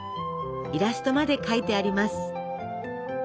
イラストまで描いてあります。